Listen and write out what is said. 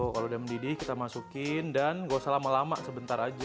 tuh kalau udah mendidih kita masukin dan nggak usah lama lama sebentar aja gorengnya